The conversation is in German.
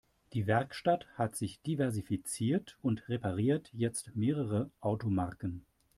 Die Werkstatt hat sich diversifiziert und repariert jetzt mehrere Automarken.